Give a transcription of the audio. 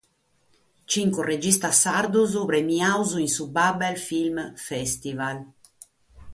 Chimbe registas sardos premiados in su Babel film fèstival.